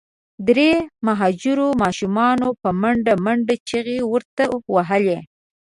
درې مهاجرو ماشومانو په منډه منډه چیغي ورته وهلې.